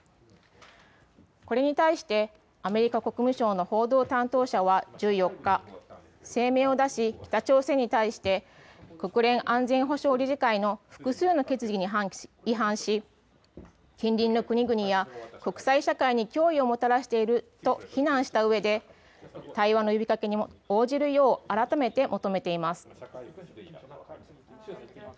これに対してアメリカ国務省の報道担当者は１４日、声明を出し、北朝鮮に対して国連安全保障理事会の複数の決議に違反し近隣の国々や国際社会に脅威をもたらしていると非難したうえで対話の呼びかけに応じるよう改めて求めています。